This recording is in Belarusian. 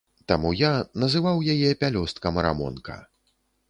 Таму я называў яе пялёсткам рамонка.